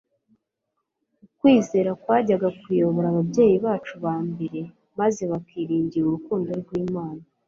Ukwizera kwajyaga kuyobora ababyeyi bacu ba mbere maze bakiringira urukundo rw'Imana,